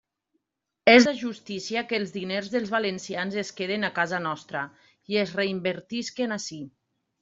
És de justícia que els diners dels valencians es queden a casa nostra i es reinvertisquen ací.